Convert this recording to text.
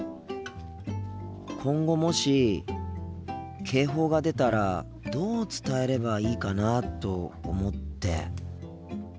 今後もし警報が出たらどう伝えればいいかなと思って。